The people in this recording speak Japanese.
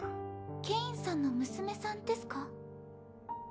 ケインさんの娘さんですか？